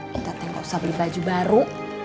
kita teng nggak usah beli baju baru